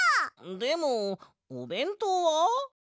でもおべんとうは？